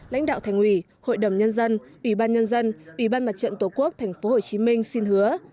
lãnh đạo thành ủy hội đồng nhân dân ủy ban nhân dân ủy ban mặt trận tổ quốc tp hcm xin hứa